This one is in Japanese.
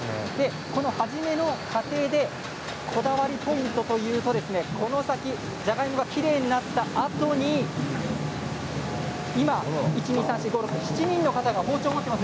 初めの過程でこだわりポイントというとこの先じゃがいもがきれいになったあとに今７人の方が包丁を持っています。